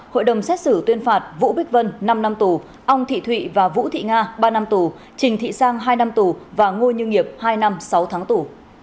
hội đồng xét xử tuyên phạt vũ bích vân năm năm tù ông thị thụy và vũ thị nga ba năm tù trình thị sang hai năm tù và ngô như nghiệp hai năm sáu tháng tù